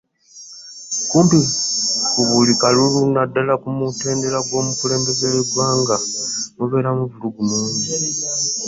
Kumpi buli kalulu naddala ku mutendera ogw'omukulembeze w'eggwanga mubeeramu vvulugu mungi.